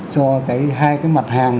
cho hai cái mặt hàng